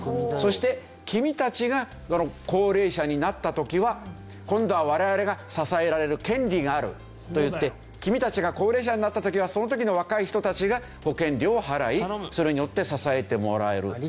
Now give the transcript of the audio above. そして君たちが高齢者になった時は今度は我々が支えられる権利があるといって君たちが高齢者になった時はその時の若い人たちが保険料を払いそれによって支えてもらえる。